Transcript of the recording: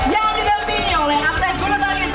yang didampingi oleh atlet bulu tangis